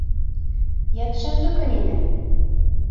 Йәкшәмбе көн ине.